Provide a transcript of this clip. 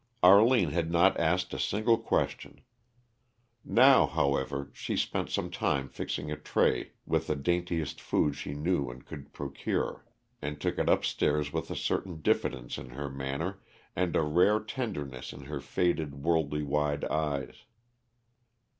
Arline had not asked a single question. Now, however, she spent some time fixing a tray with the daintiest food she knew and could procure, and took it upstairs with a certain diffidence in her manner and a rare tenderness in her faded, worldly wise eyes.